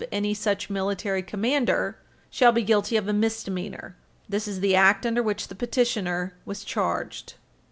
. any such military commander" shall be guilty of a misdemeanor. This is the Act under which the petitioner was charged.